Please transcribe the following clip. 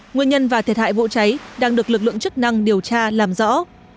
nguyên nhân và thiệt hại vụ cháy đang được lực lượng chức năng điều tra làm rõ